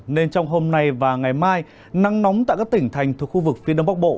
nên trong hôm nay và ngày mai nắng nóng tại các tỉnh thành thuộc khu vực phía đông bắc bộ